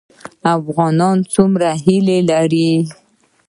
افغانان څومره هیلې لري؟